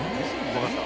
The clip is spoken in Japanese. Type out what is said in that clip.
分かった。